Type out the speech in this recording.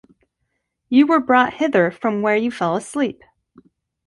You were brought hither from where you fell asleep.